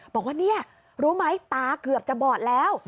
บอกว่าเนี่ยรู้ไหมตาเกือบจะบอดแล้ว